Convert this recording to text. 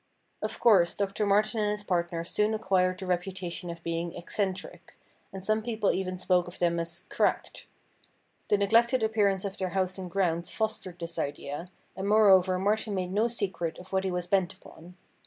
Of course Dr. Martin and his partner soon acquired the reputation of being eccentric, and some people even spoke of them as ' cracked.' The neglected appearance of their house and grounds fostered this idea, and moreover Martin made no secret of what he was bent upon.